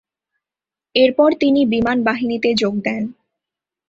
এরপর তিনি বিমানবাহিনীতে যোগ দেন।